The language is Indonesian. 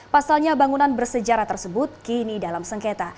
pasalnya bangunan bersejarah tersebut kini dalam sengketa